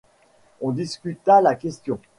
On discuta la question.